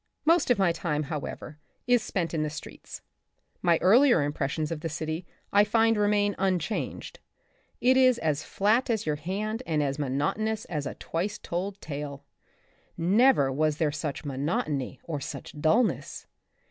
Most of my time, however, is spent in the streets. My earlier impressions of the city I find remain unchanged. It is as flat as your hand and as monotonous as a twice told tale. Never was there such monotony or such dullness.